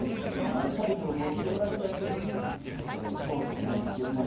まだタイトルを持っておられない時に当時最強まあ